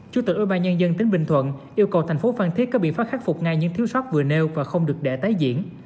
chủ tịch ủy ban nhân dân tỉnh bình thuận yêu cầu thành phố phan thiết có biện pháp khắc phục ngay những thiếu sót vừa nêu và không được để tái diễn